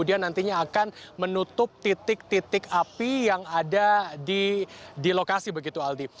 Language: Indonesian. nantinya akan menutup titik titik api yang ada di lokasi begitu aldi